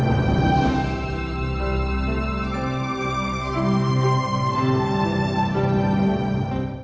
สวัสดีครับ